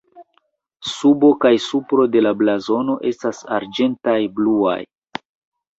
Subo kaj supro de la blazono estas arĝentaj-bluaj.